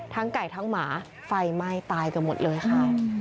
ไก่ทั้งหมาไฟไหม้ตายเกือบหมดเลยค่ะ